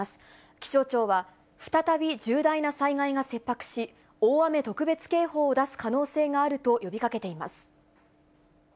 気象庁は、再び重大な災害が切迫し、大雨特別警報を出す可能性があると呼びかけています。